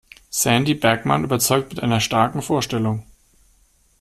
Sandy Bergmann überzeugt mit einer starken Vorstellung.